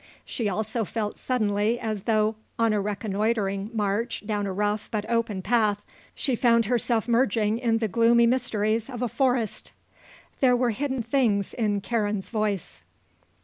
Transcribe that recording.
She also felt suddenly as though, on a reconnoitring march down a rough but open path, she found herself merging in the gloomy mysteries of a forest. There were hidden things in Karen's voice.